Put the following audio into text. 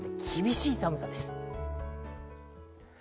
厳しい寒さです。